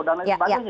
dan lain sebagainya